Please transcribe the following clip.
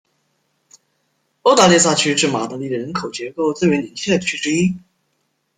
欧达列萨区是马德里人口结构最为年轻的区之一。